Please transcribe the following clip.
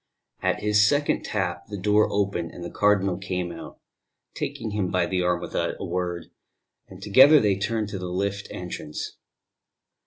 At his second tap the door opened and the Cardinal came out, taking him by the arm without a word; and together they turned to the lift entrance.